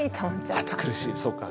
「暑苦しい」そうか。